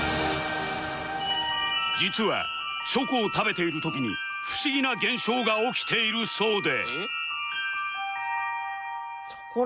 実はチョコを食べている時に不思議な現象が起きているそうで